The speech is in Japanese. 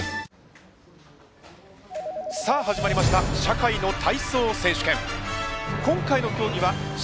さあ始まりました「社会の体操選手権」。